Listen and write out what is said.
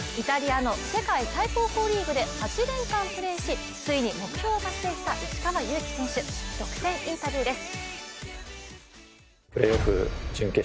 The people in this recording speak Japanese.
世界最高峰リーグで８年間プレーしついに目標を達成した石川祐希選手、独占インタビューです。